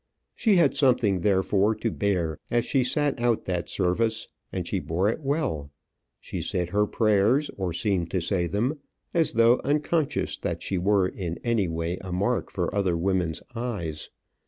She had something, therefore, to bear as she sat out that service; and she bore it well. She said her prayers, or seemed to say them, as though unconscious that she were in any way a mark for other women's eyes.